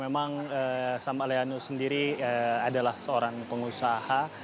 memang sam aliano sendiri adalah seorang pengusaha